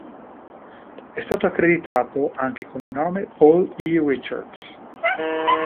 È stato accreditato anche con il nome Paul E. Richards.